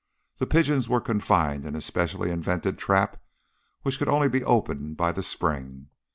The pigeons were confined in a specially invented trap, which could only be opened by the spring.